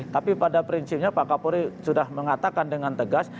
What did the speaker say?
tapi pada prinsipnya pak kapolri sudah mengatakan dengan tegas